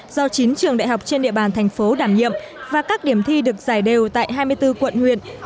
do chín trường đại học trên địa bàn thành phố đảm nhiệm và các điểm thi được giải đều tại hai mươi bốn quận huyện